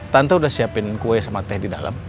tante udah siapin kue sama teh di dalam